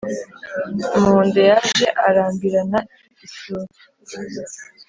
Umuhunde yaje arambirana isuri